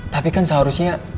tapi kan seharusnya